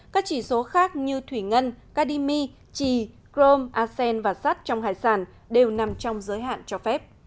các chỉ số khác như thủy ngân cadimi trì crom acen và sắt trong hải sản đều nằm trong giới hạn cho phép